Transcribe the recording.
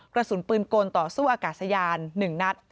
กระสุนปืนกลต่อสู้อากาศยาน๑นัด